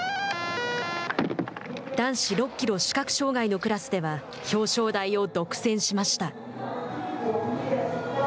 男子６キロ視覚障害のクラスでは表彰台を独占しました。